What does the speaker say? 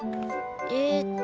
えっと